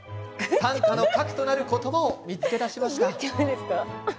短歌の核となる言葉を見つけ出しました。